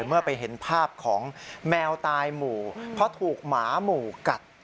เมื่อไปเห็นภาพของแมวตายหมู่เพราะถูกหมาหมู่กัด